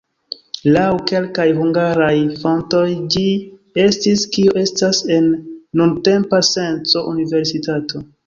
Laŭ kelkaj hungaraj fontoj ĝi estis kio estas en nuntempa senco universitato.